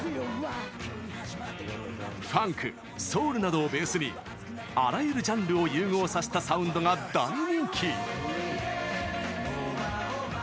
ファンク・ソウルなどをベースにあらゆるジャンルを融合させたサウンドが大人気。